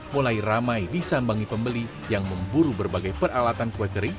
mulai ramai disambangi pembeli yang memburu berbagai peralatan kue kering